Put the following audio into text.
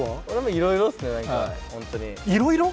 いろいろ？